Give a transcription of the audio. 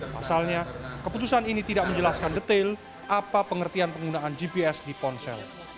pasalnya keputusan ini tidak menjelaskan detail apa pengertian penggunaan gps di ponsel